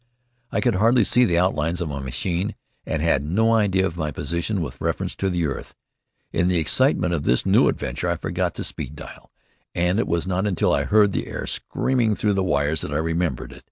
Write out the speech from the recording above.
I could hardly see the outlines of my machine and had no idea of my position with reference to the earth. In the excitement of this new adventure I forgot the speed dial, and it was not until I heard the air screaming through the wires that I remembered it.